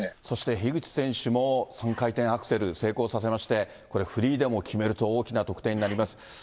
そして、樋口選手も３回転アクセル成功させまして、これ、フリーでも決めると大きな得点になります。